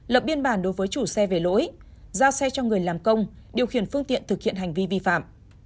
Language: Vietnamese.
lập biên bản đối với chủ xe về lỗi giao xe cho người làm công điều khiển phương tiện thực hiện hành vi vi phạm